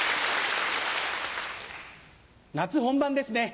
夏本番ですね。